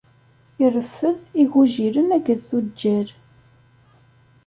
Ireffed igujilen akked tuǧǧal.